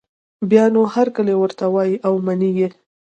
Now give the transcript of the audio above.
بیا نو هرکلی ورته وايي او مني یې